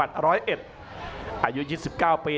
ยังเหลือคู่มวยในรายการ